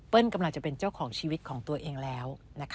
กำลังจะเป็นเจ้าของชีวิตของตัวเองแล้ว